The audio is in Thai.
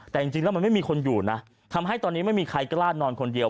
แต่จริงแล้วมันไม่มีคนอยู่นะทำให้ตอนนี้ไม่มีใครกล้านอนคนเดียว